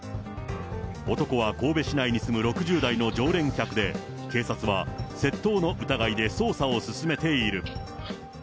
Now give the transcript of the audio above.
男は神戸市内に住む６０代の常連客で、警察は窃盗の疑いで捜査を進めている。